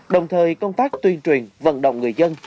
đồng thời công tác tuyên truyền vận động người dân